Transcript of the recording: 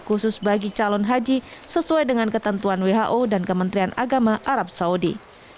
khusus bagi calon haji sesuai dengan ketentuan who dan kementerian agama arab saudi